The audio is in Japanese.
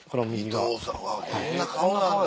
伊藤さんこんな顔なんだ。